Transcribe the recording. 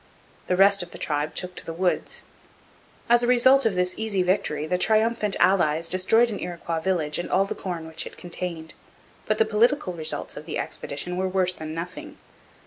The rest of the tribe took to the woods. As a result of this easy victory the triumphant allies destroyed an Iroquois village and all the corn which it contained, but the political results of the expedition were worse than nothing.